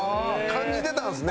感じてたんですね。